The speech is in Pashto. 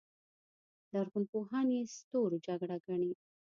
لرغونپوهان یې ستورو جګړه ګڼي